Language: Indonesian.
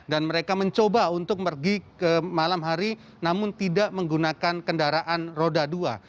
dan mereka mencoba untuk pergi ke malam hari namun tidak menggunakan kendaraan roda dua